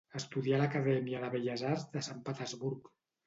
Estudià a l'acadèmia de belles arts de Sant Petersburg.